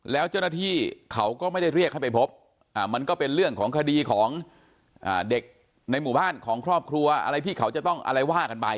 แล้วเจ้าหน้าที่เขาก็ไม่ได้เรียกเข้าไปพบมันก็เป็นเรื่องของคดีของเด็กในหมู่บ้านของครอบครัว